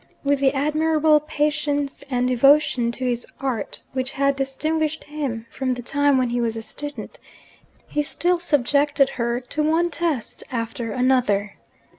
With the admirable patience and devotion to his art which had distinguished him from the time when he was a student, he still subjected her to one test after another.